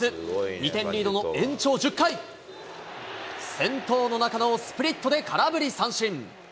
２点リードの延長１０回、先頭の中野をスプリットで空振り三振。